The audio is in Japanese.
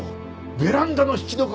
ベランダの引き戸か！